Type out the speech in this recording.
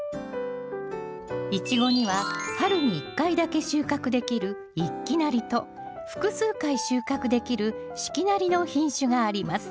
イチゴには春に１回だけ収穫できる一季なりと複数回収穫できる四季なりの品種があります。